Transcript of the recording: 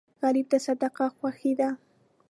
غریب ته صدقه خوښي ده